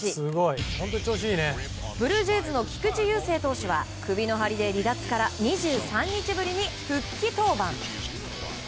ブルージェイズの菊池雄星投手は首の張りで離脱から２３日ぶりに復帰登板。